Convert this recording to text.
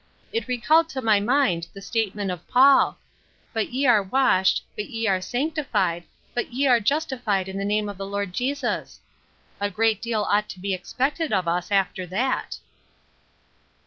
It recalled to my mind the statement of PauL *But ye are washed, but ye are sanctified, but ye are justified m the name of the Lord Jesus.' A great deal ought to be expected of us, aft^i that."